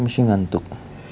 emang masih ngantuk